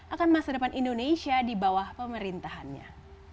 akan masa depan indonesia di bawah pemerintahannya